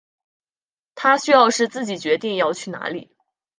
他需要是自己决定要去哪里